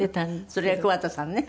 それが桑田さんね。